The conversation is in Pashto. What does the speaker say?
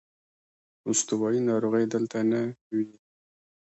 استوايي ناروغۍ دلته نه وې.